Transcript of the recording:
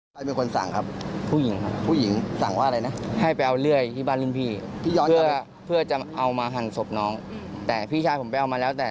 เพราะว่าดูกล้องก็มีแบบว่าโดนตัดคลิปไปแล้ว